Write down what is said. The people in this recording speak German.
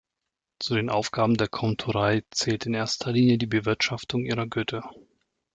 Zu den Aufgaben der Komturei zählte in erster Linie die Bewirtschaftung ihrer Güter.